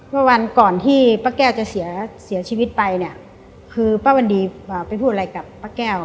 เมื่อวันก่อนที่ป้าแก้วจะเสียชีวิตไปเนี่ยคือป้าวันดีไปพูดอะไรกับป้าแก้ว